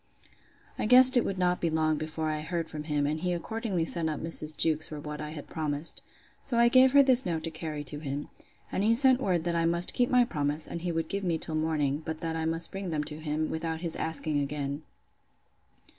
I guessed it would not be long before I heard from him and he accordingly sent up Mrs. Jewkes for what I had promised. So I gave her this note to carry to him. And he sent word, that I must keep my promise, and he would give me till morning; but that I must bring them to him, without his asking again.